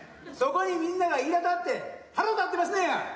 そこにみんながいらだって腹立ってますねや。